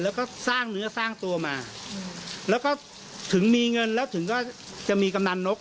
แล้วก็สร้างเนื้อสร้างตัวมาแล้วก็ถึงมีเงินแล้วถึงก็จะมีกำนันนก